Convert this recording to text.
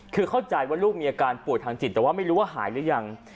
คือเข้าใจว่าลูกมีอาการป่วยทางจิตแต่ว่าไม่รู้ว่าหายหรือยัง